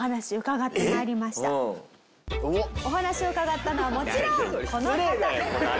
お話を伺ったのはもちろんこの方。